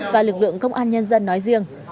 và lực lượng công an nhân dân nói riêng